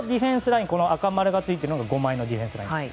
赤丸がついていたのが５枚のディフェンスラインです。